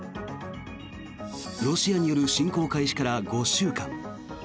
ロシアに侵攻開始から５週間。